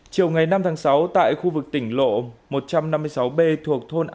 chiều ngày năm tháng sáu tại khu vực tỉnh lộ một trăm năm mươi sáu b thuộc thôn a